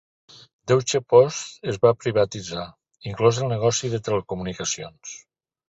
Deutsche Post es va privatitzar, inclòs el negoci de telecomunicacions.